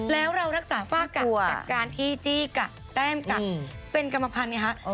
๓๕แล้วเรารักษาฝ้ากะจากการที่จี้กะแต้มกะเป็นกรรมพันธุ์